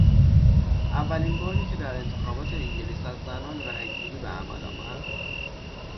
اولین باری که در انتخابات انگلیس از زنان رای گیری به عمل آمد